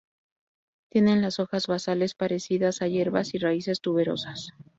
Tienen las hojas basales parecidas a hierbas y raíces tuberosas.